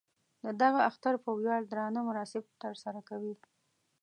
د دغه اختر په ویاړ درانه مراسم تر سره کوي.